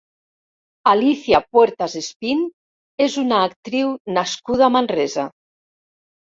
Alícia Puertas Espín és una actriu nascuda a Manresa.